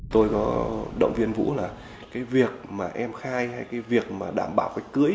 tôi có động viên vũ là cái việc mà em khai hay cái việc mà đảm bảo cái cưới